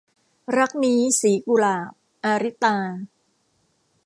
รักนี้สีกุหลาบ - อาริตา